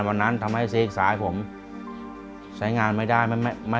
โทรหาคนรู้จักได้ฟังเนื้อเพลงต้นฉบัดร้องผิดได้๑คำ